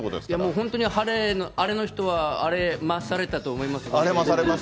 本当にアレの人はアレまされたと思いますし。